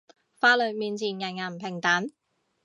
法律面前人人平等